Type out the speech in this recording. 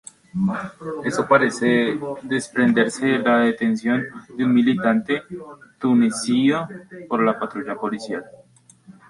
Eso parece desprenderse de la detención de un militante tunecino por una patrulla policial.